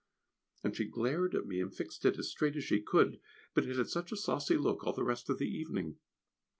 And she glared at me, and fixed it as straight as she could, but it had such a saucy look all the rest of the evening.